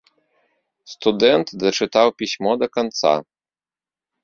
Студэнт дачытаў пісьмо да канца.